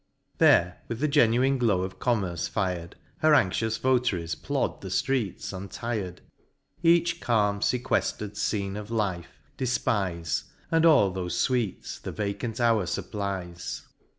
There with the genuine glow of Commerce fir'd. Her anxious votaries plod the ftreets untir'd ; Each calm, fcquefter'd fcene of life, defpife, And all thofe fweets the vacant hour fupplies.